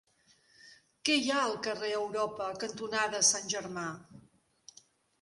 Què hi ha al carrer Europa cantonada Sant Germà?